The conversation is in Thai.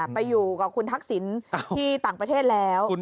ไปอยู่กับคุณทักษิณที่ต่างประเทศแล้ว